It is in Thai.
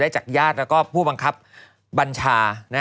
จากญาติแล้วก็ผู้บังคับบัญชา